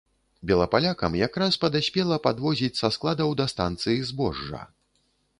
Белапалякам якраз падаспела падвозіць са складаў да станцыі збожжа.